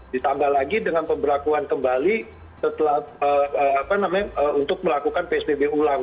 ditambah lagi dengan pemberlakuan kembali setelah untuk melakukan psbb ulang